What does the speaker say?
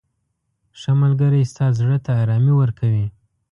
• ښه ملګری ستا زړه ته ارامي ورکوي.